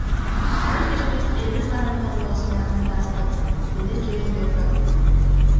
Ар бирибиз элдин гана тандоосуна үмүт арттык, — деди Жээнбеков.